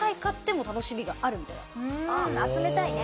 集めたいね。